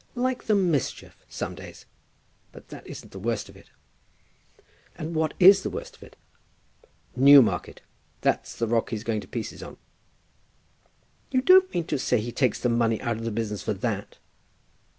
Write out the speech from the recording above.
"Like the mischief, some days. But that isn't the worst of it." "And what is the worst of it?" "Newmarket; that's the rock he's going to pieces on." "You don't mean to say he takes the money out of the business for that?"